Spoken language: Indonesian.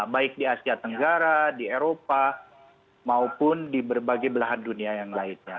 baik di asia tenggara di eropa maupun di berbagai belahan dunia yang lainnya